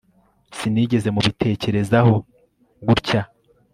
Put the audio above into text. Sinigeze mubitekerezaho gutya